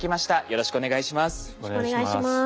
よろしくお願いします。